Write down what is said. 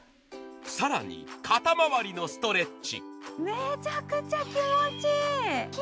更に、肩まわりのストレッチ。